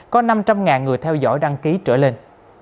có năm trăm linh người theo dõi đăng ký trở lên